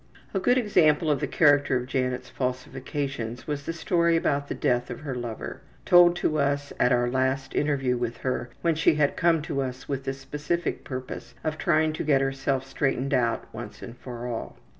A good example of the character of Janet's falsifications was the story about the death of her lover, told to us at our last interview with her when she had come to us with the specific purpose of trying to get herself straightened out once and for all.